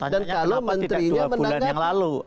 dan kalau menterinya menangkap